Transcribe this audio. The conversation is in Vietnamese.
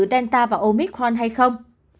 delta và omicron hay không